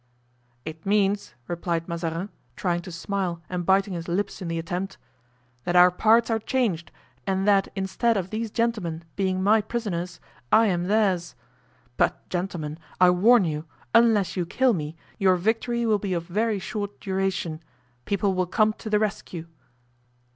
"It means," replied Mazarin, trying to smile and biting his lips in the attempt, "that our parts are changed, and that instead of these gentlemen being my prisoners I am theirs; but, gentlemen, I warn you, unless you kill me, your victory will be of very short duration; people will come to the rescue."